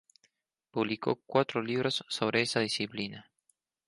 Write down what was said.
Publicó cuatro libros sobre esa disciplina.